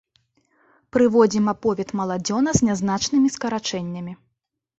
Прыводзім аповед маладзёна з нязначнымі скарачэннямі.